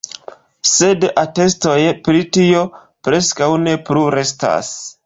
Sed atestoj pri tio preskaŭ ne plu restas.